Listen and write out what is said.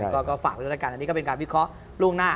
แล้วก็ฝากไว้ด้วยกันอันหนึ่งก็เป็นการวิเคราะห์แบบลูกหน้า